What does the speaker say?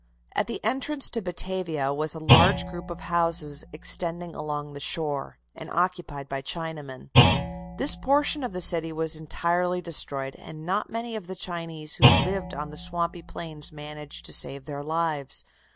At the entrance to Batavia was a large group of houses extending along the shore, and occupied by Chinamen. This portion of the city was entirely destroyed, and not many of the Chinese who lived on the swampy plains managed to save their lives.